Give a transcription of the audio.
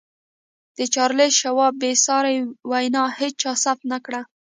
د چارليس شواب بې ساري وينا هېچا ثبت نه کړه.